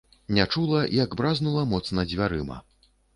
Не чула, як бразнула моцна дзвярыма.